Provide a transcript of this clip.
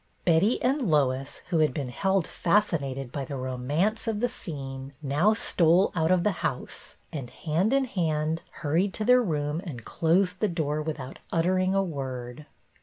Betty and Lois, who had been held fasci nated by the romance of the scene, now stole out of the house and, hand in hand, hurried to their room, and closed the door without uttering a word.